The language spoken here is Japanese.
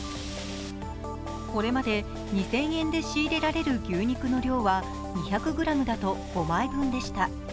これまで２０００円で仕入れられる牛肉の量は２００ｇだと５枚分でした。